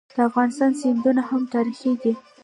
د افغانستان سیندونه هم تاریخي دي.